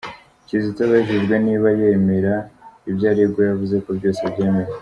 Kizito abajijwe niba yemera ibyo aregwa yavuze ko byose abyemera.